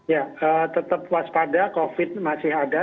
ya tetap waspada covid masih ada